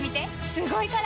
すごいから！